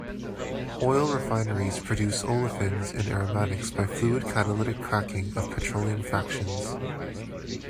Oil refineries produce olefins and aromatics by fluid catalytic cracking of petroleum fractions.